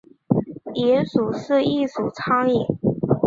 蝇属是一属苍蝇。